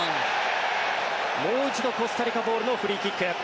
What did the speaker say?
もう一度、コスタリカボールのフリーキック。